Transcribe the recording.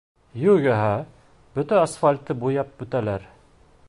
Юғиһә бөтә асфальтты буяп бөтәләр!